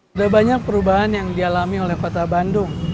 sudah banyak perubahan yang dialami oleh kota bandung